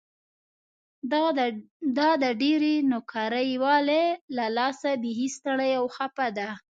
دا د ډېرې نوکري والۍ له لاسه بيخي ستړې او خپه ده.